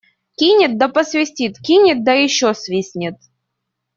Кинет да посвистит, кинет да еще свистнет.